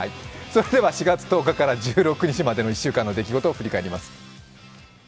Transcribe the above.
それでは４月１０日から１６日までの１週間の出来事を振り返ります